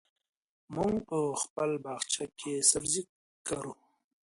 موږ په خپل باغچه کې سبزي کرو.